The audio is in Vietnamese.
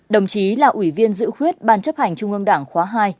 đồng chí là ủy viên giữ khuyết ban chấp hành trung ương đảng khóa hai